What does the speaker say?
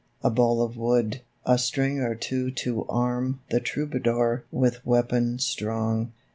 A bowl of wood, A string or two to arm The troubadour with weapon strong.